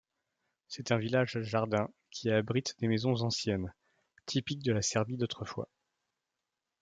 C'est un village jardin, qui abrite des maisons anciennes, typiques de la Serbie d'autrefois.